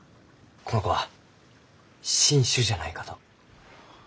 この子は新種じゃないかと。